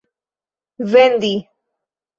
vendi